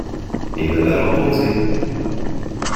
Either that or palsy.